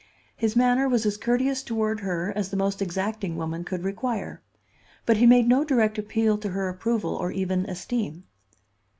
His manner was as courteous toward her as the most exacting woman could require; but he made no direct appeal to her approval or even esteem.